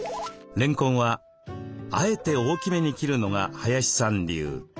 れんこんはあえて大きめに切るのが林さん流。